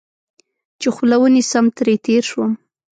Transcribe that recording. چې خوله ونیسم، ترې تېر شوم.